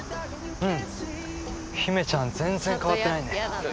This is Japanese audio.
うん姫ちゃん全然変わってないね